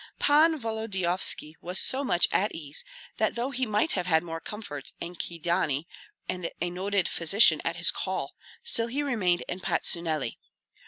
Pan Volodyovski was so much at ease that though he might have had more comforts in Kyedani and a noted physician at his call, still he remained in Patsuneli.